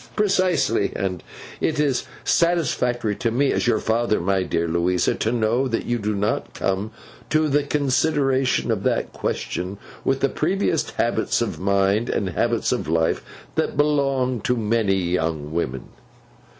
'Precisely. And it is satisfactory to me, as your father, my dear Louisa, to know that you do not come to the consideration of that question with the previous habits of mind, and habits of life, that belong to many young women.